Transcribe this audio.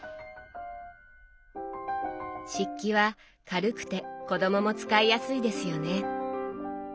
漆器は軽くて子どもも使いやすいですよね。